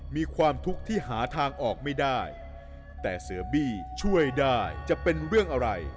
มีความทุกข์ที่หาทางออกไม่ได้แต่เสือบี้ช่วยได้จะเป็นเรื่องอะไร